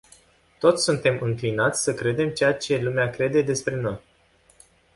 Toți suntem înclinați să credem ceea ce lumea crede despre noi.